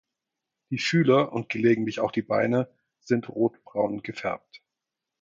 Die Fühler und gelegentlich auch die Beine sind rotbraun gefärbt.